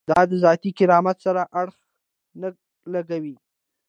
دا د ذاتي کرامت سره اړخ نه لګوي.